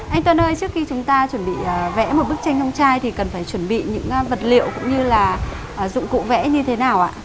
anh tuân ơi trước khi chúng ta chuẩn bị vẽ một bức tranh trong chai thì cần phải chuẩn bị những vật liệu cũng như là dụng cụ vẽ như thế nào ạ